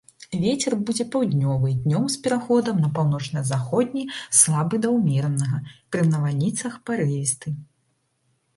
Вецер будзе паўднёвы, днём з пераходам на паўночна-заходні слабы да ўмеранага, пры навальніцах парывісты.